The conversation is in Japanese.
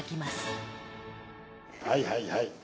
はいはいはい。